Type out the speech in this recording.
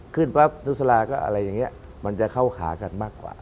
ปั๊บนุสลาก็อะไรอย่างนี้มันจะเข้าขากันมากกว่า